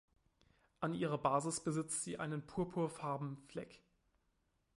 An ihrer Basis besitzen sie einen purpurfarben Fleck.